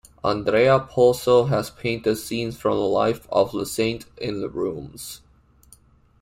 Andrea Pozzo has painted scenes from the life of the saint in the rooms.